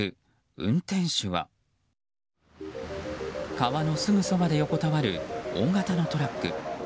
川のすぐそばで横たわる大型のトラック。